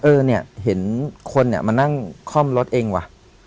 เออเนี่ยเห็นคนเนี่ยมานั่งคล่อมรถเองว่ะ